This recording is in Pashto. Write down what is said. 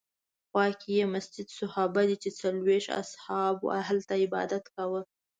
خوا کې یې مسجد صحابه دی چې څلوېښت اصحابو هلته عبادت کاوه.